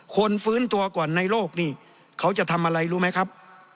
ฟื้นตัวก่อนในโลกนี่เขาจะทำอะไรรู้ไหมครับ